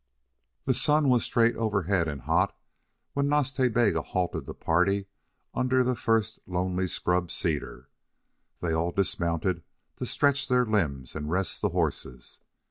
The sun was straight overhead and hot when Nas Ta Bega halted the party under the first lonely scrub cedar. They all dismounted to stretch their limbs, and rest the horses.